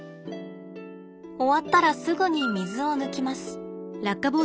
終わったらすぐに水を抜きます。